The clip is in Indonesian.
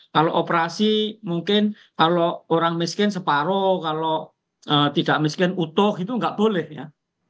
kalau operasi mungkin kalau orang miskin separoh kalau tidak miskin utuh itu nggak boleh ya